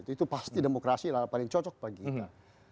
itu pasti demokrasi adalah paling cocok bagi kita